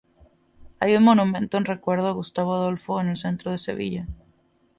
Hay un monumento en recuerdo de Gustavo Adolfo en el centro de Sevilla.